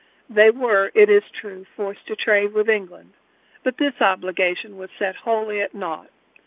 They were, it is true, forced to trade with England, but this obligation was set wholly at naught.